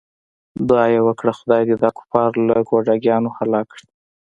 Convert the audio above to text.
دعا یې وکړه خدای دې دا کفار له ګوډاګیانو هلاک کړي.